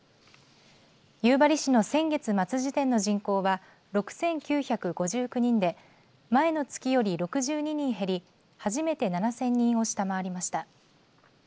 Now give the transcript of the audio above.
夕張市の先月末時点の人口は６９５９人で前の月より６２人減り初めて７０００人を下回りました。